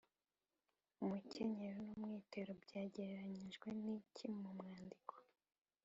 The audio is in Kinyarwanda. umukenyero n’umwitero byagereranyijwe n’iki mu mwandiko?